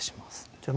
じゃあ